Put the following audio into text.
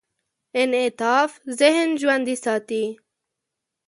انعطاف ذهن ژوندي ساتي.